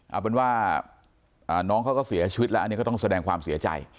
เอาเป็นว่าน้องเขาก็เสียชีวิตแล้วอันนี้ก็ต้องแสดงความเสียใจ